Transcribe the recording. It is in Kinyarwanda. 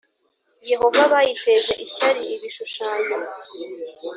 Yehova bayiteje ishyari ibishushanyo